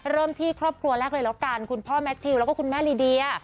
เริ่มที่ครอบครัวแรกเลยแล้วกันคุณพ่อแมททิวแล้วก็คุณแม่ลีเดีย